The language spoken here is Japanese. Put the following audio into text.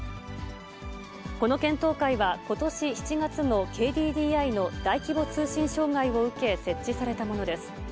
この検討会は、ことし７月のＫＤＤＩの大規模通信障害を受け、設置されたものです。